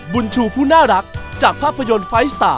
บุญชูผู้น่ารักจากภาพยนตร์ไฟล์สตาร์